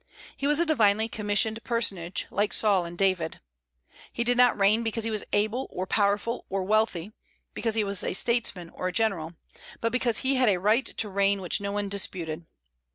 He was a divinely commissioned personage, like Saul and David. He did not reign because he was able or powerful or wealthy, because he was a statesman or a general, but because he had a right to reign which no one disputed.